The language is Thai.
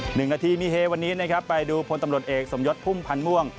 หนึ่งนาทีมีเฮวันนี้นะครับไปดูพลตำรวจเอกสมยศพุ่มพันธ์ม่วง